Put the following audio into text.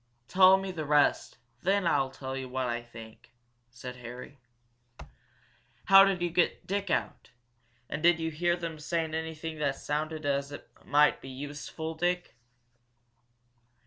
"Tell me the rest, then I'll tell you what I think," said Harry. "How did you get Dick out? And did you hear them saying anything that sounded as if it might be useful, Dick?"